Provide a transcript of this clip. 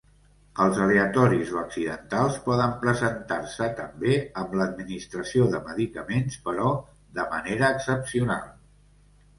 Els aleatoris o accidentals poden presentar-se també amb l'administració de medicaments però de manera excepcional.